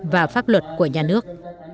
và pháp luật của nhà nước